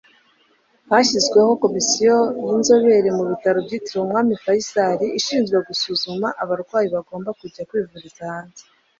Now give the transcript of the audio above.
hashyizweho komisiyo y'inzobere mu bitaro byitiriwe umwami fayçal ishinzwe gusuzuma abarwayi bagomba kujya kwivuriza hanze